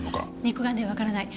肉眼ではわからない。